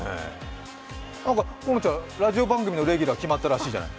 このちゃん、ラジオ番組のレギュラー決まったそうじゃない？